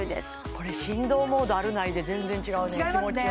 これ振動モードあるないで全然違うね違いますね